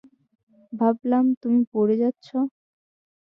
ভাবলাম তুমি পড়ে যাচ্ছো।